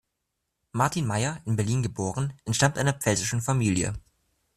Martin Mayer, in Berlin geboren, entstammt einer pfälzischen Familie.